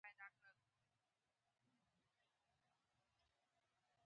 دوی دا فرصت برابر کړی چې موږ خپلې وړتیاوې پراخې کړو